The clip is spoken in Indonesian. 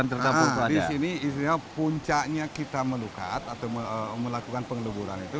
di sini istilahnya puncaknya kita melukat atau melakukan pengeluburan itu